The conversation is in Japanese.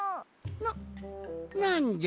ななんじゃって！？